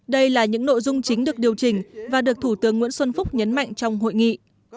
đây là những nội dung chính được điều chỉnh và được thủ tướng nguyễn xuân phúc nhấn mạnh trong hội nghị